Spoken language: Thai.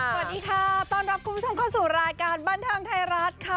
สวัสดีค่ะต้อนรับคุณผู้ชมเข้าสู่รายการบันเทิงไทยรัฐค่ะ